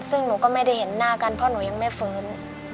ซึ่งหนูก็ไม่ได้เห็นหน้ากันเพราะหนูยังไม่ฟื้น